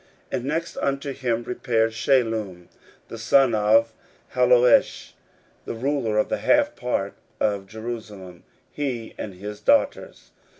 16:003:012 And next unto him repaired Shallum the son of Halohesh, the ruler of the half part of Jerusalem, he and his daughters.